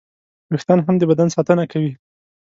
وېښتيان هم د بدن ساتنه کوي.